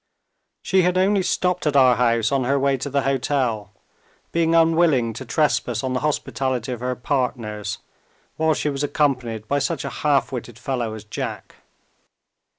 She had only stopped at our house on her way to the hotel; being unwilling to trespass on the hospitality of her partners, while she was accompanied by such a half witted fellow as Jack.